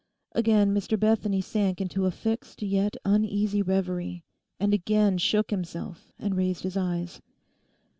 Again Mr Bethany sank into a fixed yet uneasy reverie, and again shook himself and raised his eyes.